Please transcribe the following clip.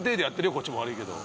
こっちも悪いけど。